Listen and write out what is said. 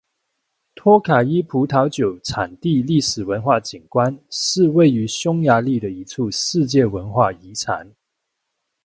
托卡伊葡萄酒产地历史文化景观是位于匈牙利的一处世界文化遗产。